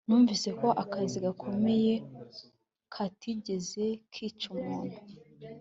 numvise ko akazi gakomeye katigeze kica umuntu